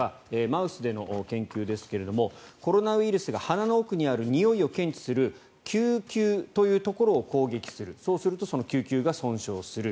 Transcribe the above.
マウスでの研究ですがコロナウイルスが、鼻の奥にあるにおいを検知する嗅球というところを攻撃するそうするとその嗅球が損傷する。